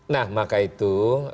nah maka itu